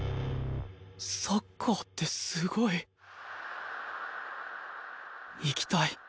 サッカーってすごい行きたい。